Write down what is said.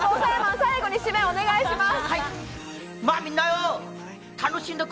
最後にしめをお願いします。